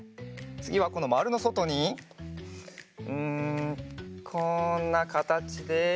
つぎはこのまるのそとにうんこんなかたちで。